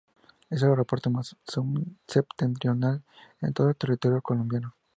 Es el aeropuerto más septentrional en todo el territorio colombiano.